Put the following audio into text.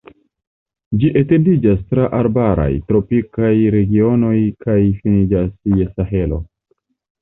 Ĝi etendiĝas tra arbaraj, tropikaj, regionoj kaj finiĝas je Sahelo.